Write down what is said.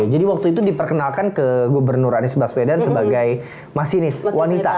jadi waktu itu diperkenalkan ke gubernurnya pak anies baswedan sebagai masinis wanita